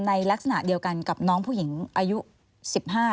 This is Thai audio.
ในลักษณะเดียวกันกับน้องผู้หญิงอายุสิบห้า